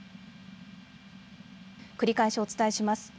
繰り返しお伝えします。